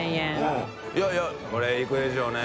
い笋いこれいくでしょうね。